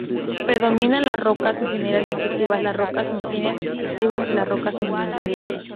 Predominan las rocas ígneas extrusivas, las rocas ígneas intrusivas y las rocas sedimentarias.